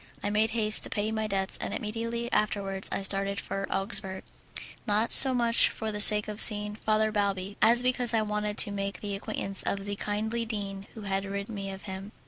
I made haste to pay my debts, and immediately afterwards I started for Augsburg, not so much for the sake of seeing Father Balbi, as because I wanted to make the acquaintance of the kindly dean who had rid me of him.